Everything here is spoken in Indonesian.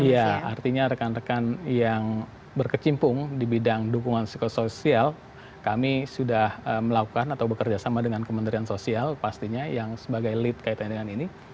iya artinya rekan rekan yang berkecimpung di bidang dukungan psikosoial kami sudah melakukan atau bekerja sama dengan kementerian sosial pastinya yang sebagai lead kaitannya dengan ini